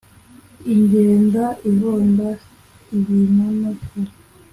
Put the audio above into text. igenda ihonda ibinono ku